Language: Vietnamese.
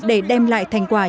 để đem lại thành quả